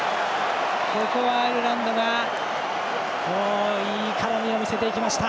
ここはアイルランドがいい絡みを見せていきました。